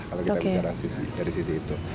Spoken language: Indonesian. kalau kita bicara dari sisi itu